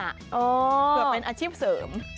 เผื่อเป็นอาชีพเสริม